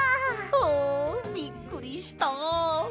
あびっくりした。